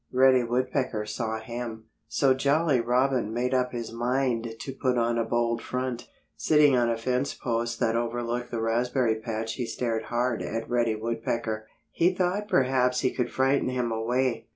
Reddy Woodpecker saw him. So Jolly Robin made up his mind to put on a bold front. Sitting on a fence post that overlooked the raspberry patch he stared hard at Reddy Woodpecker. He thought perhaps he could frighten him away.